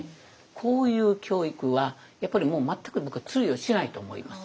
こういう教育はやっぱりもう全く僕は通用しないと思います。